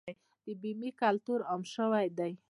د بیمې کلتور عام شوی دی؟